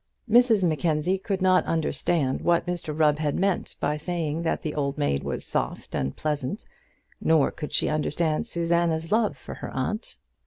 Mrs Mackenzie could not understand what Mr Rubb had meant by saying that that old maid was soft and pleasant, nor could she understand Susanna's love for her aunt.